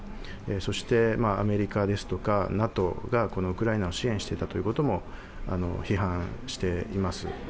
そして、アメリカですとかＮＡＴＯがウクライナを支援していたということも批判しています。